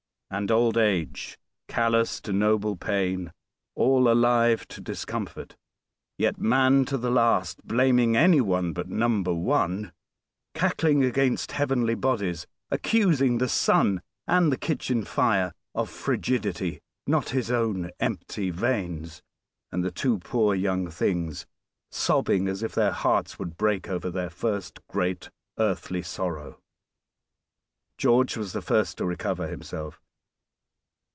And old age, callous to noble pain, all alive to discomfort, yet man to the last blaming any one but Number One, cackling against heavenly bodies, accusing the sun and the kitchen fire of frigidity not his own empty veins! And the two poor young things sobbing as if their hearts would break over their first great earthly sorrow. George was the first to recover himself.